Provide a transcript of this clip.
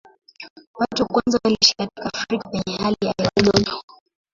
Watu wa kwanza waliishi katika Afrika penye hali ya hewa ya joto.